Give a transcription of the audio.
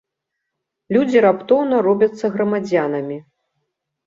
Людзі раптоўна робяцца грамадзянамі.